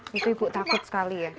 ibu ibu takut sekali ya